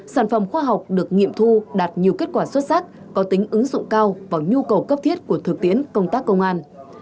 sản phẩm khoa học được nghiệm thu đạt nhiều kết quả xuất sắc có tính ứng dụng cao vào nhu cầu cấp thiết của thực tiễn công tác công an